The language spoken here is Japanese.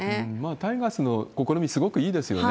タイガースの試み、すごくいいですよね。